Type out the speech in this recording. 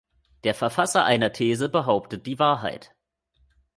Der Verfasser einer These behauptet die Wahrheit.